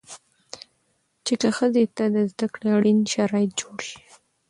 چې که ښځې ته د زده کړې اړين شرايط جوړ شي